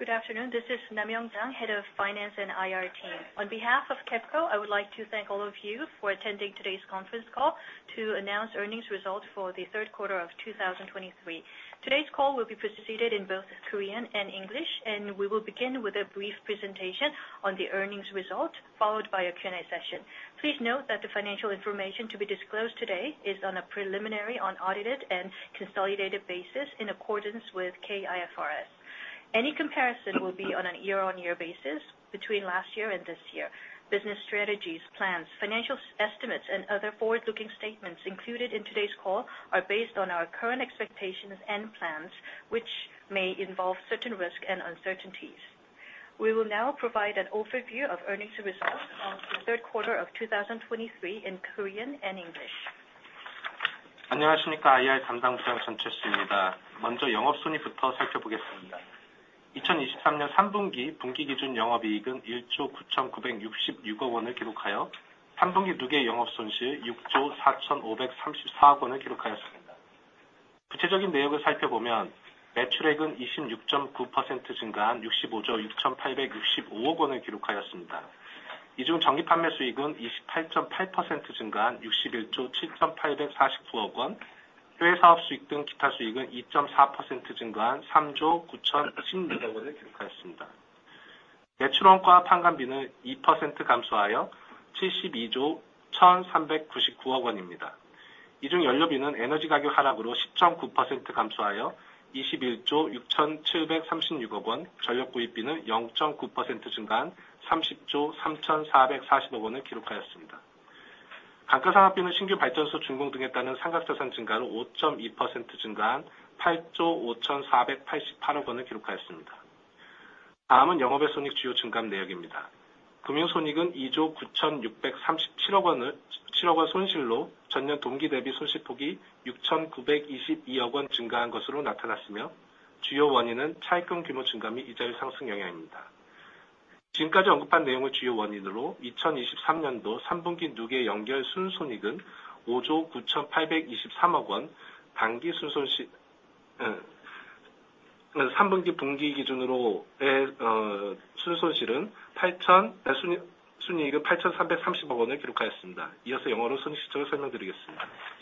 Good afternoon, this is Nam Young Jang, Head of Finance and IR Team. On behalf of KEPCO, I would like to thank all of you for attending today's conference call to announce earnings results for the third quarter of 2023. Today's call will be proceeded in both Korean and English, and we will begin with a brief presentation on the earnings results, followed by a Q&A session. Please note that the financial information to be disclosed today is on a preliminary, unaudited, and consolidated basis in accordance with K-IFRS. Any comparison will be on a year-on-year basis between last year and this year. Business strategies, plans, financial estimates, and other forward-looking statements included in today's call are based on our current expectations and plans, which may involve certain risks and uncertainties. We will now provide an overview of earnings results on the third quarter of 2023 in Korean and English. Annyunghasimnikka, IR damdang bujang Jeong Choi jimmniida. Munjo yeongap soni buto sallkyeobugessseumnida. 2023 3Q bungiki jjun yeongap iigeun KRW 1.96 trillionul gikukayo. 3Q nuge yeongap sonsi yugjo chason obok KRW 350 billionul gikukayasseumnida. Guchojigin naeogul salpkyeobomyeon, naechuraegun 20% jinggan 60 jo 8,800 baek juipsip owonul gikukayasseumnida. Ijung jeongip hanmaesuigun 28.9% jinggan 61 jo 7,800 sipowon, hoesaop suigdung gipa suigun ipjeom 4% jinggan 3 jo 9,010 jogonul gikukayasseumnida. Naechuron gwa pangam bineun 2% gamsoayo, 70 jo 1,300 juipsip owonimnida. Ijung yonlobinun energy gagyeog halagoro 19% gamsoayo, 21 jo 7,360 owon, jeonlyog puibbinun yeongjeong 9% jinggan 30 jo 3,410 owonul gikukayasseumnida. Gangga sangap bineun singyu baljeonso junggong dungae ttaneun sanggak jasang jinggan 5.2% jinggan 8 jo 5,880 owonul gikukayasseumnida. Daumun yeongapoe sonig juyo jinggan naeogimnida. Guming sonigun ijo guchon 6,370 won sonsillo, jeonnyeon dungki naebi sonsip pogi yuchon 9,200 ipjip iowon jinggan han geosoro natanasseumyo, juyo wonineun chalgyeong giumo jinggan mi ijael sangsang yeonghyangimnida. Jingkkaji eonggeup han naeongul juyo woninuro, 2023 sam bungi nuge yeonggyeol sunsonigun ojo guchon 8,130 won, dangi sunsonstileun palchon, sunigi 8,330 wonul gikukayasseumnida. Iyeoso yeongeo soni silchoro seulmeongdeurigesseumnida.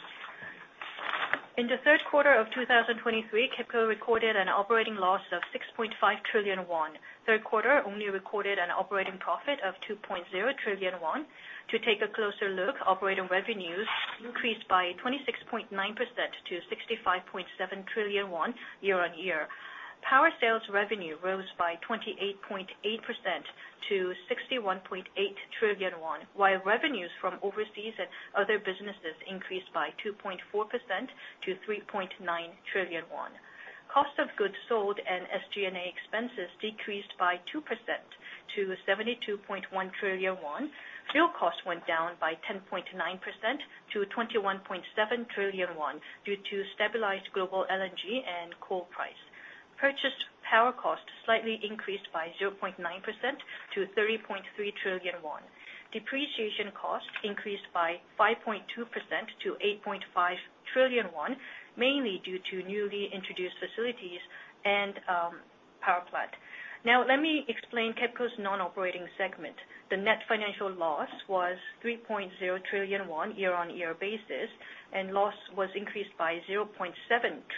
In the third quarter of 2023, KEPCO recorded an operating loss of 6.5 trillion won. Third quarter only recorded an operating profit of 2.0 trillion won. To take a closer look, operating revenues increased by 26.9% to 65.7 trillion won, year-over-year. Power sales revenue rose by 28.8% to 61.8 trillion won, while revenues from overseas and other businesses increased by 2.4% to 3.9 trillion won. Cost of Goods sold and SG&A expenses decreased by 2% to 72.1 trillion won. Fuel costs went down by 10.9% to 21.7 trillion won, due to stabilized global LNG and coal price. Purchased power costs slightly increased by 0.9% to 30.3 trillion won. Depreciation costs increased by 5.2% to 8.5 trillion won, mainly due to newly introduced facilities and power plant. Now, let me explain KEPCO's non-operating segment. The net financial loss was 3.0 trillion won year-on-year, and loss was increased by 0.7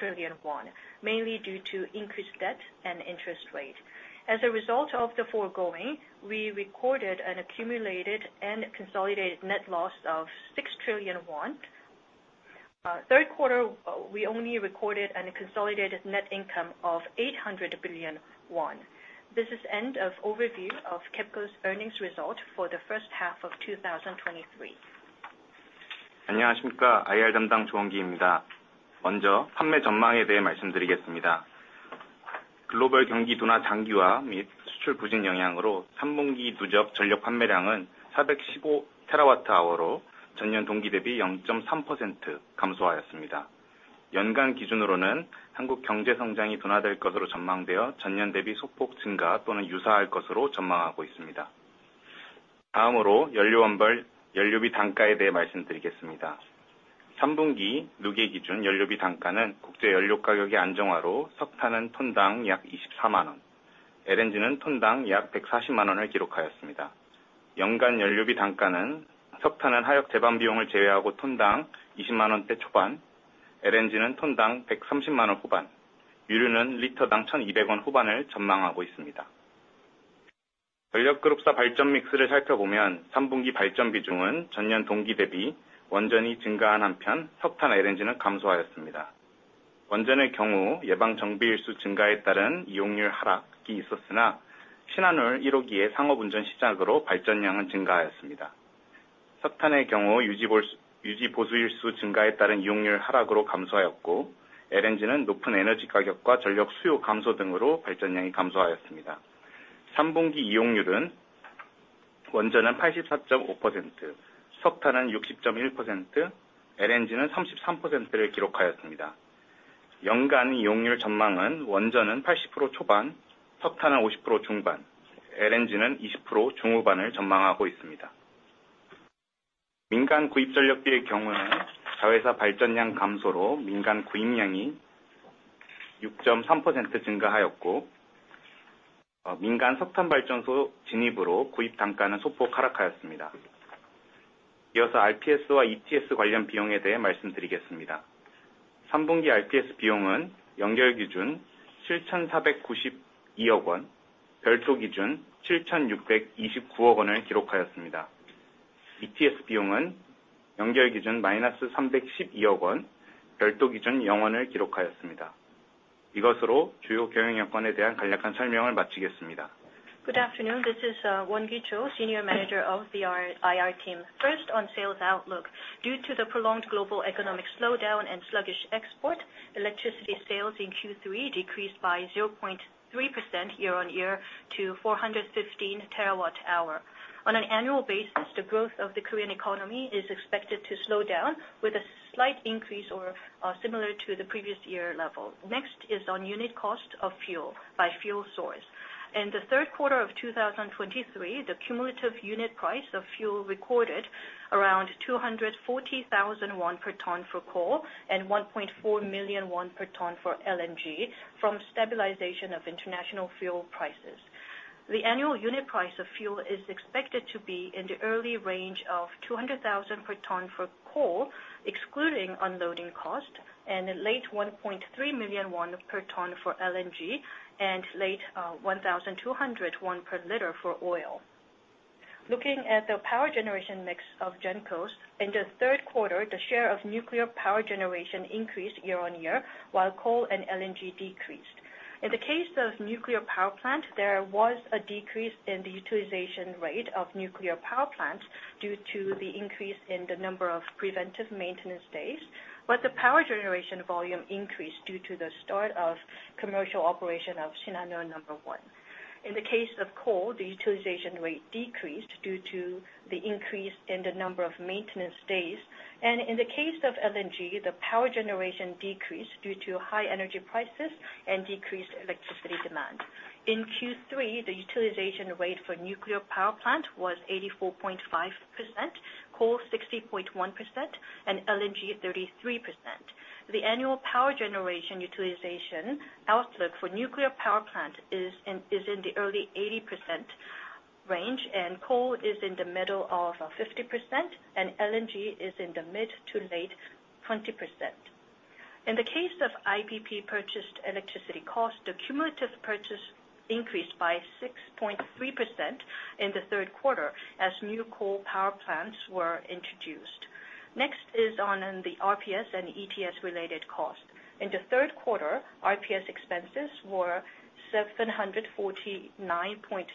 trillion won, mainly due to increased debt and interest rate. As a result of the foregoing, we recorded an accumulated and consolidated net loss of 6 trillion won. Third quarter, we only recorded a consolidated net income of 800 billion won. This is end of overview of KEPCO's earnings result for the first half of 2023. Annyunghasimnikka, IR damdang Won Gi Cho imnida. Munjo palmae jeongmangae dae maesuldeurigesseumnida. Global gyeonggi dunha janggiwa mig sucsul bujin yeonghyanguro, 3 bungi nujeg jeonlyog palmaeyang은 sabak 15 terawatt hourro, jeonnyeon dungki naebi yeongjeom 3% gamsohayasseumnida. Yeongan gijjunoroneun hanguk gyeongje sungjangi dunhaedoel geosoro jeonmangdwaeyo, jeonnyeon naebi sopok jingga ttoneun yusahal geosoro jeonmanghago isseumnida. Daumuro, yonlo eonbeol yonlobi danggae dae maesuldeurigesseumnida. 3 bungi nuge jjun yonlobi dangganun gukje yonlo gagyeogi anjeonghwaoro, seoktanun ton dang yak KRW 240,000, LNGnan ton dang yak KRW 1,100,000ul gikukayasseumnida. Yeongan yonlobi dangganun seoktanun hayok jeban biyongul jaehoeago ton dang KRW 200,000 dae choban, LNGnan ton dang KRW 1,100,000 huban, yonryunon lito dang KRW 1,000 hubaneul jeonmanghago isseumnida. Jeonlyog geuleobsa baljeon migseureul salpkyeobomyeon, 3 bungi baljeon bijungun jeonnyeon dungki naebi wonjeoni jinggan han pyeon, seoktan LNGnan gamsohayasseumnida. one, power generation increased. For coal, the utilization rate decreased due to scheduled maintenance and a reduction in reserve units, and power generation decreased due to lower LNG and other energy prices and reduced electricity demand. In the third quarter, the utilization rate was 89% for nuclear power, 69% for coal, and 33% for LNG. For the full year, the utilization rate is expected to be around 80% for nuclear power, mid-50% for coal, and mid-20% for LNG. ...민간 구입 전력비의 경우는 자회사 발전량 감소로 민간 구입량이 6.3% 증가하였고, 민간 석탄발전소 진입으로 구입 단가는 소폭 하락하였습니다. 이어서 RPS와 ETS 관련 비용에 대해 말씀드리겠습니다. 3분기 RPS 비용은 연결 기준 7,492억원, 별도 기준 7,629억원을 기록하였습니다. ETS 비용은 연결 기준 -312억원, 별도 기준 0원을 기록하였습니다. 이것으로 주요 경영 여건에 대한 간략한 설명을 마치겠습니다. Good afternoon. This is Wonkee Cho, Senior Manager of the IR team. First, on sales outlook. Due to the prolonged global economic slowdown and sluggish export, electricity sales in Q3 decreased by 0.3% year-on-year to 415 TWh. On an annual basis, the growth of the Korean economy is expected to slow down with a slight increase or similar to the previous year level. Next is on unit cost of fuel by fuel source. In the third quarter of 2023, the cumulative unit price of fuel recorded around 240,000 won per ton for coal and 1.4 million won per ton for LNG, from stabilization of international fuel prices. The annual unit price of fuel is expected to be in the early range of 200,000 per ton for coal, excluding unloading cost, and in late 1.3 million won per ton for LNG and late, one thousand two hundred won per liter for oil. Looking at the power generation mix of Gencos, in the third quarter, the share of nuclear power generation increased year-on-year, while coal and LNG decreased. In the case of nuclear power plant, there was a decrease in the utilization rate of nuclear power plants due to the increase in the number of preventive maintenance days, but the power generation volume increased due to the start of commercial operation of Shin-Hanul Number One. In the case of coal, the utilization rate decreased due to the increase in the number of maintenance days. In the case of LNG, the power generation decreased due to high energy prices and decreased electricity demand. In Q3, the utilization rate for nuclear power plant was 84.5%, coal 60.1%, and LNG 33%. The annual power generation utilization outlook for nuclear power plant is in, is in the early 80% range, and coal is in the middle of 50%, and LNG is in the mid- to late-20%. In the case of IPP purchased electricity costs, the cumulative purchase increased by 6.3% in the third quarter as new coal power plants were introduced. Next is on, on the RPS and ETS related costs. In the third quarter, RPS expenses were 749.2 billion won on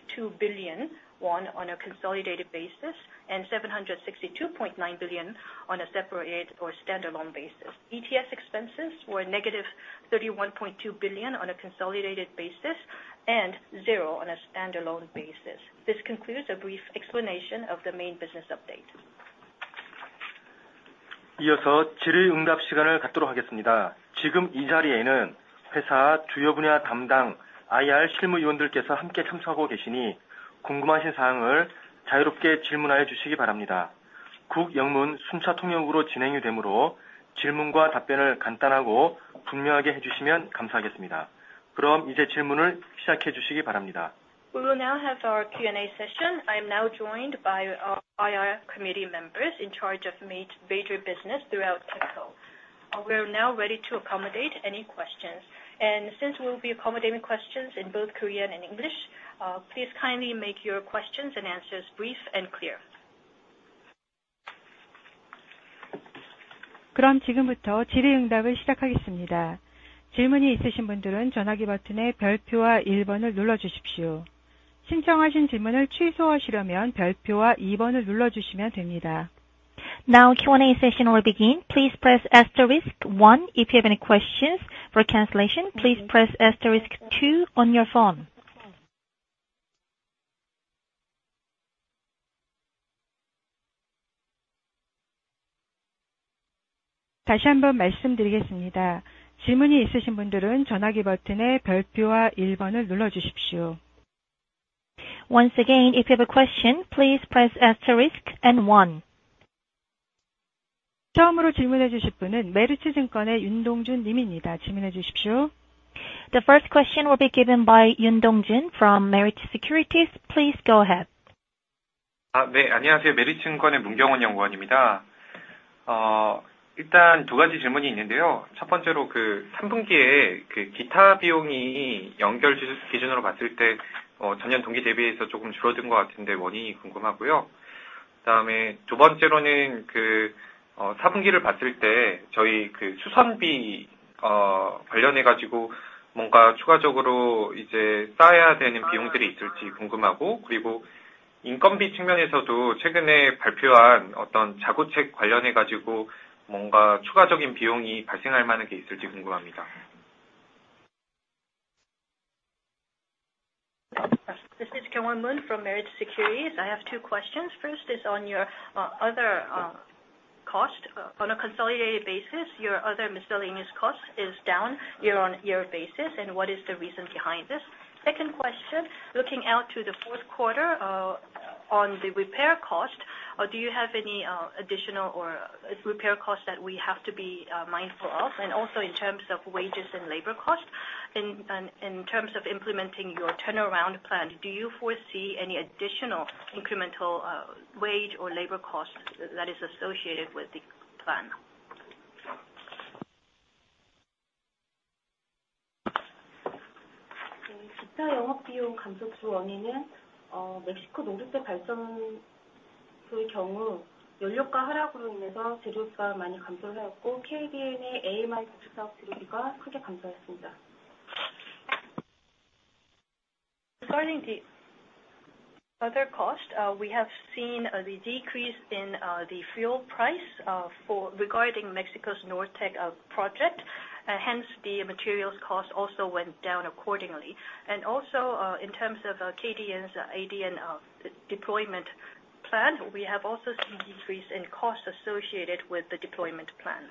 a consolidated basis and 762.9 billion on a separate or standalone basis. ETS expenses were -31.2 billion on a consolidated basis and zero on a standalone basis. This concludes a brief explanation of the main business update. 이어서 질의 응답 시간을 갖도록 하겠습니다. 지금 이 자리에는 회사 주요 분야 담당 IR 실무위원들께서 함께 참석하고 계시니, 궁금하신 사항을 자유롭게 질문하여 주시기 바랍니다. 국, 영문 순차 통역으로 진행이 되므로 질문과 답변을 간단하고 분명하게 해주시면 감사하겠습니다. 그럼 이제 질문을 시작해 주시기 바랍니다. We will now have our Q&A session. I'm now joined by our IR committee members in charge of major business throughout KEPCO. We are now ready to accommodate any questions, and since we will be accommodating questions in both Korean and English, please kindly make your questions and answers brief and clear. 그럼 지금부터 질의응답을 시작하겠습니다. 질문이 있으신 분들은 전화기 버튼의 별표와 일번을 눌러주십시오. 신청하신 질문을 취소하시려면 별표와 일번을 눌러주시면 됩니다. Now Q&A session will begin. Please press asterisk one if you have any questions. For cancellation, please press asterisk two on your phone. 다시 한번 말씀드리겠습니다. 질문이 있으신 분들은 전화기 버튼의 별표와 일번을 눌러주십시오. Once again, if you have a question, please press asterisk and one. Mr. Moon Kyung-won from Meritz Securities. Please ask your question. The first question will be given by Moon Kyung-won from Meritz Securities. Please go ahead. 안녕하세요. 메리츠 증권의 문경원 연구원입니다. 일단 두 가지 질문이 있는데요. 첫 번째로, 삼분기에 기타 비용이 연결 기준으로 봤을 때, 전년 동기 대비해서 조금 줄어든 것 같은데 원인이 궁금하고요. 그다음에 두 번째로는, 사분기를 봤을 때 저희 수선비 관련해가지고 뭔가 추가적으로 이제 쌓여야 되는 비용들이 있을지 궁금하고, 그리고 인건비 측면에서도 최근에 발표한 어떤 자구책 관련해가지고 뭔가 추가적인 비용이 발생할 만한 게 있을지 궁금합니다. This is Kyong Won Moon from Meritz Securities. I have two questions. First is on your other cost on a consolidated basis, your other miscellaneous cost is down year-on-year basis, and what is the reason behind this? Second question, looking out to the fourth quarter, on the repair cost, do you have any additional or repair costs that we have to be mindful of? And also in terms of wages and labor costs, in terms of implementing your turnaround plan, do you foresee any additional incremental wage or labor costs that is associated with the plan? Foreign language. Regarding the other cost, we have seen the decrease in the fuel price for regarding Mexico's Norte project, hence, the materials cost also went down accordingly. Also, in terms of KDN's ADN deployment plan, we have also seen decrease in costs associated with the deployment plan.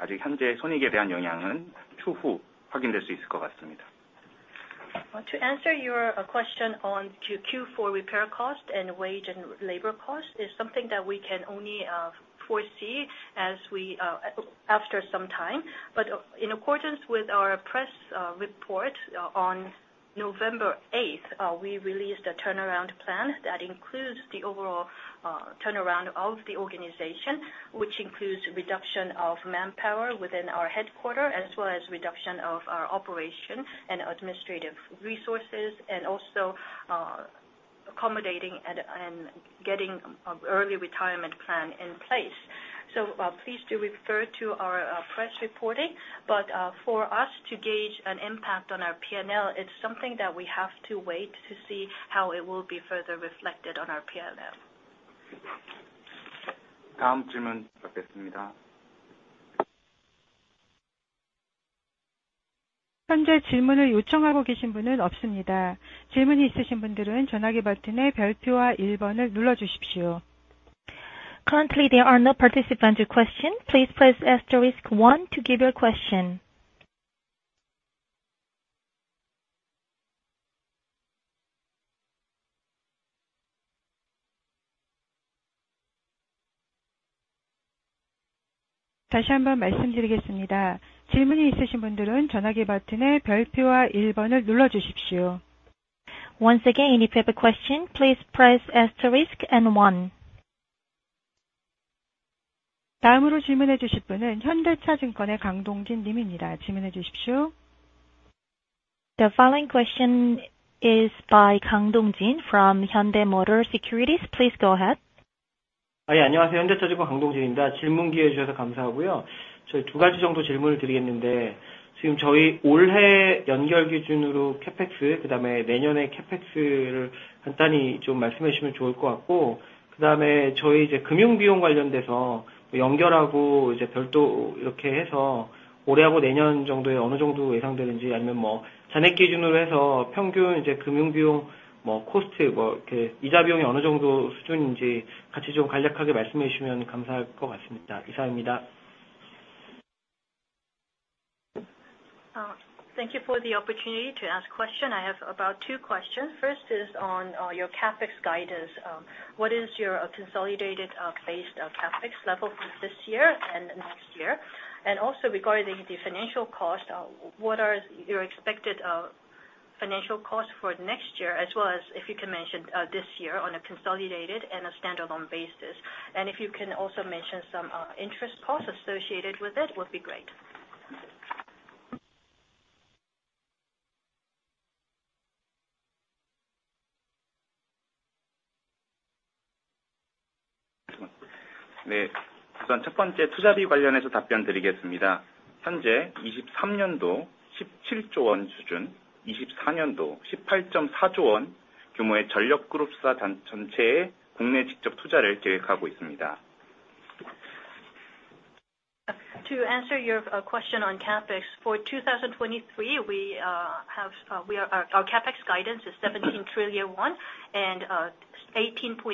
To answer your question on Q4 repair cost and wage and labor cost is something that we can only foresee after some time. But in accordance with our press report on November 8th, we released a turnaround plan that includes the overall turnaround of the organization, which includes reduction of manpower within our headquarters, as well as reduction of our operation and administrative resources, and also accommodating and getting an early retirement plan in place. So, please do refer to our press reporting. For us to gauge an impact on our P&L, it's something that we have to wait to see how it will be further reflected on our P&L. Foreign language. Foreign language. Currently, there are no participants with question. Please press asterisk one to give your question. Foreign language. Once again, if you have a question, please press asterisk and one. Foreign language. The following question is by Kang Dong-jin from Hyundai Motor Securities. Please go ahead. 안녕하세요, 현대차증권 강동진입니다. 질문 기회 주셔서 감사하고요. 저희 두 가지 정도 질문을 드리겠는데, 지금 저희 올해 연결 기준으로 CapEx, 그다음에 내년에 CapEx를 간단히 좀 말씀해 주시면 좋을 것 같고, 그다음에 저희 이제 금융 비용 관련돼서 연결하고, 이제 별도 이렇게 해서 올해하고 내년 정도에 어느 정도 예상되는지, 아니면 뭐 잔액 기준으로 해서 평균 이제 금융 비용, 뭐, 코스트, 뭐, 이렇게 이자 비용이 어느 정도 수준인지 같이 좀 간략하게 말씀해 주시면 감사할 것 같습니다. 이상입니다. Thank you for the opportunity to ask question. I have about two questions. First is on your CapEx guidance. What is your consolidated based CapEx level for this year and next year? And also regarding the financial cost, what are your expected financial costs for next year, as well as if you can mention this year on a consolidated and a standalone basis? And if you can also mention some interest costs associated with it, would be great. To answer your question on CapEx, for 2023, our CapEx guidance is 17 trillion won and 18.4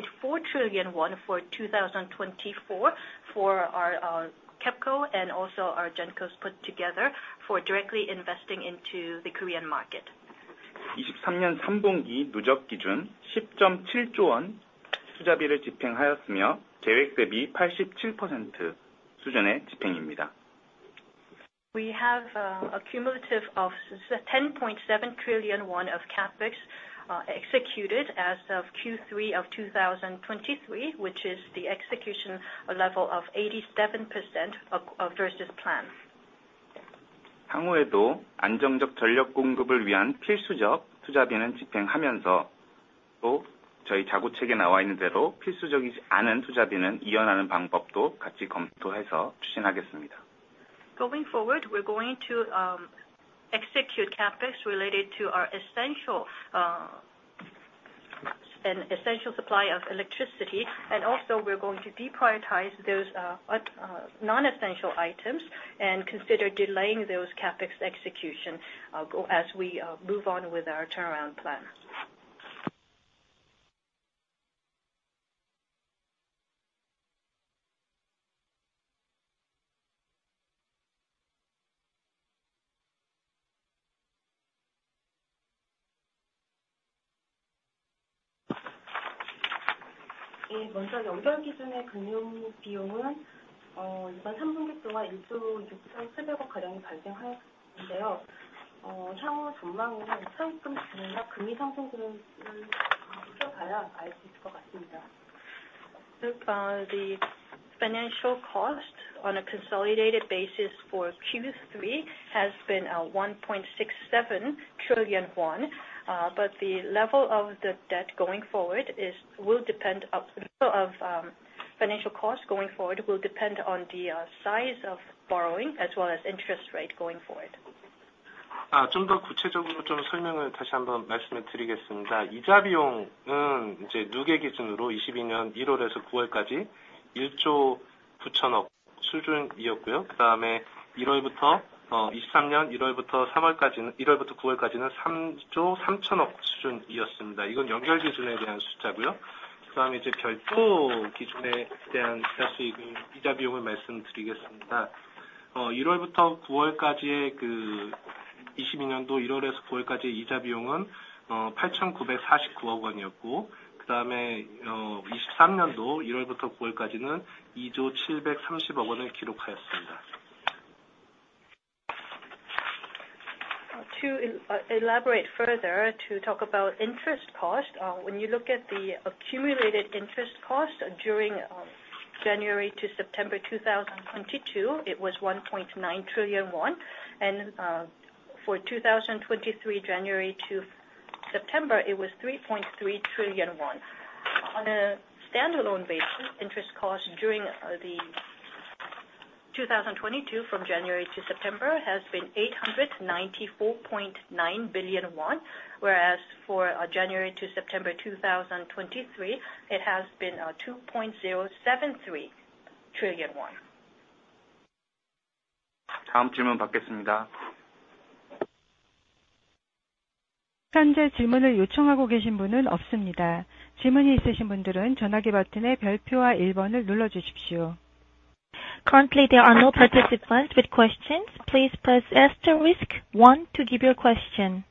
trillion won for 2024, for our KEPCO and also our Gencos put together for directly investing into the Korean market. We have a cumulative of KRW 10.7 trillion of CapEx executed as of Q3 of 2023, which is the execution level of 87% versus plan. ...향후에도 안정적 전력 공급을 위한 필수적 투자비는 집행하면서, 또 저희 자구책에 나와 있는 대로 필수적이지 않은 투자비는 이연하는 방법도 같이 검토해서 추진하겠습니다. Going forward, we're going to execute CapEx related to our essential supply of electricity. Also, we're going to deprioritize those non-essential items and consider delaying those CapEx execution as we move on with our turnaround plan. 예, 먼저 연결 기준의 금융 비용은 이번 3분기 동안 1조 2천억 원 가량이 발생하였는데요. 향후 전망은 차입금 증가나 금리 상승분을 좀더 봐야 알수 있을 것 같습니다. The financial cost on a consolidated basis for Q3 has been 1 trillion won. But the level of the debt going forward, financial costs going forward will depend on the size of borrowing as well as interest rate going forward. September 2022, was at the level of KRW 1.9 trillion. Then, from January to September 2023, was KRW 3.3 trillion. This is the number on a consolidated basis. Then, now, regarding interest income and interest expense on a separate basis, let me explain. From January to September 2022, interest expense was KRW 894.9 billion, and then, for 2023 from January to September, recorded KRW 1.73 trillion. To elaborate further, to talk about interest cost. When you look at the accumulated interest cost during January to September 2022, it was 1 trillion won. For 2023, January to September, it was 1 trillion won. On a standalone basis, interest cost during 2022 from January to September has been 894.9 billion won, whereas for January to September 2023, it has been 2.073 trillion won. 다음 질문 받겠습니다. 현재 질문을 요청하고 계신 분은 없습니다. 질문이 있으신 분들은 전화기 버튼의 별표와 일번을 눌러주십시오. Currently, there are no participants with questions. Please press asterisk one to give your question.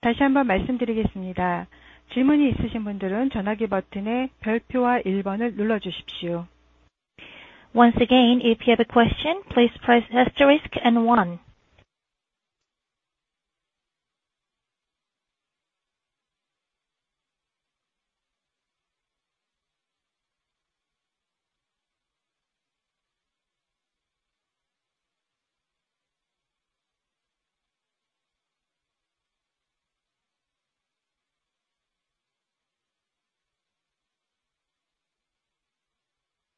다시 한번 말씀드리겠습니다. 질문이 있으신 분들은 전화기 버튼의 별표와 일번을 눌러주십시오. Once again, if you have a question, please press asterisk and one.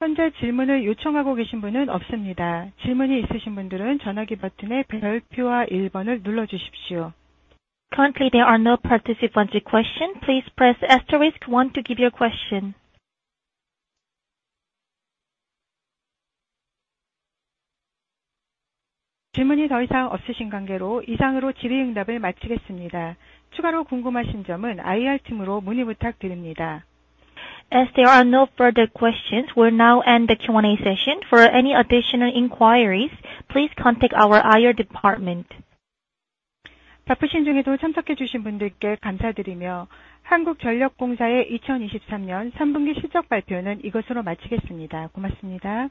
현재 질문을 요청하고 계신 분은 없습니다. 질문이 있으신 분들은 전화기 버튼의 별표와 일번을 눌러주십시오. Currently, there are no participants with question. Please press asterisk one to give your question. 질문이 더 이상 없으신 관계로 이상으로 질의응답을 마치겠습니다. 추가로 궁금하신 점은 IR팀으로 문의 부탁드립니다. As there are no further questions, we'll now end the Q&A session. For any additional inquiries, please contact our IR department. 바쁘신 중에도 참석해 주신 분들께 감사드리며, 한국전력공사의 2023년 3분기 실적 발표는 이것으로 마치겠습니다. 고맙습니다.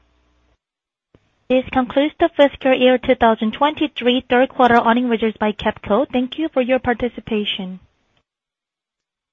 This concludes the fiscal year 2023 third quarter earnings results by KEPCO. Thank you for your participation!